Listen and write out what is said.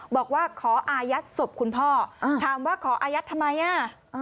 บอกว่าขออายัดศพคุณพ่อถามว่าขออายัดทำไมอ่ะ